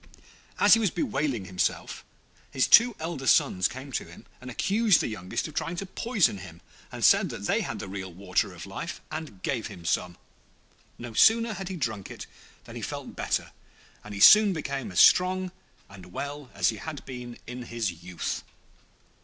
As he was bewailing himself, his two elder sons came to him and accused the youngest of trying to poison him, and said that they had the real Water of Life, and gave him some. No sooner had he drunk it than he felt better, and he soon became as strong and well as he had been in his youth.